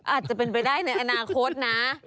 อาจจะเป็นไปได้ในอนาคตนะ